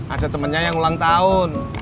ada temannya yang ulang tahun